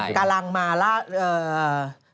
กำลังมาแล้ว